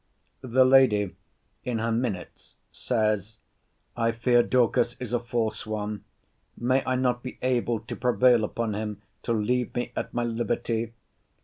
The Lady, in her minutes, says, 'I fear Dorcas is a false one. May I not be able to prevail upon him to leave me at my liberty?